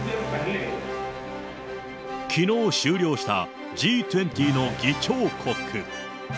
きのう終了したＧ２０の議長国。